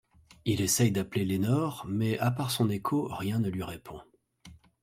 Il essaye d'appeler Lenore, mais à part son écho, rien ne lui répond.